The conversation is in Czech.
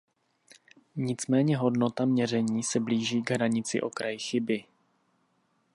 Nicméně hodnota měření se blíží k hranici okraji chyby.